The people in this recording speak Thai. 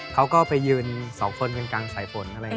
เขาก็ไปยืนสองคนกันกลางสายฝนอะไรอย่างนี้